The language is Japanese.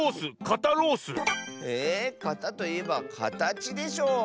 「かた」といえばかたちでしょ。